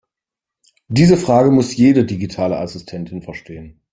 Diese Frage muss jede digitale Assistentin verstehen.